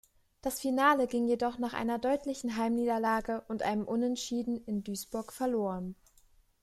Das Finale ging jedoch nach einer deutlichen Heimniederlage und einem Unentschieden in Duisburg verloren.